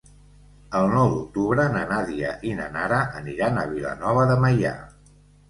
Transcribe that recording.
El nou d'octubre na Nàdia i na Nara aniran a Vilanova de Meià.